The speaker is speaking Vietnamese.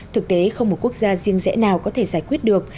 thực tế không một quốc gia riêng rẽ nào có thể giải quyết được